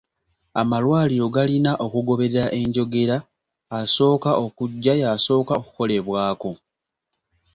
Amalwaliro galina okugoberera enjogera; asooka okujja y'asooka okukolebwako.